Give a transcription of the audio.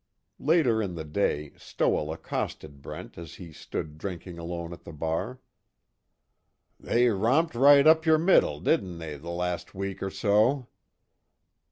Later in the day Stoell accosted Brent as he stood drinking alone at the bar. "They romped right up your middle, didn't they, the last week or so?"